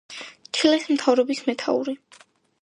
ჩილეს მთავრობის მეთაური.